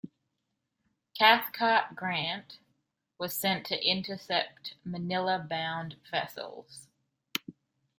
Cathcart Grant, was sent to intercept Manila bound vessels.